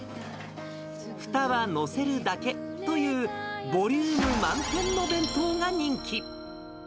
ふたは載せるだけという、ボリューム満点の弁当が人気。